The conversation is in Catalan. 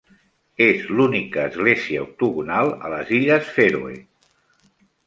És l'única església octogonal a les Illes Fèroe.